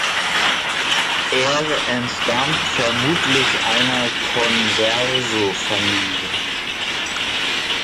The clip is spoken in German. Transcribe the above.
Er entstammt vermutlich einer Converso-Familie.